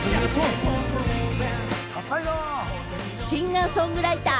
シンガー・ソングライター。